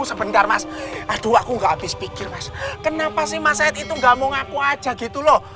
sebentar mas aduh aku gak habis pikir mas kenapa sih mas said itu nggak mau ngaku aja gitu loh